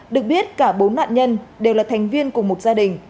được biết cả bốn nạn nhân đều là thành viên cùng một gia đình